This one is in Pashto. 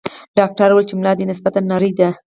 ډاکټر ویل چې ملا دې نسبتاً نرۍ ده.